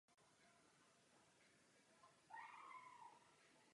Nejvyšších vodních stavů dosahuje od poloviny dubna do začátku července.